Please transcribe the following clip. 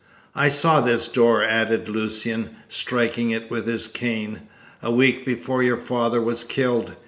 "I saw this door," added Lucian, striking it with his cane, "a week before your father was killed.